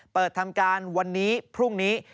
เปิดทำการวันนี้พรุ่งนี้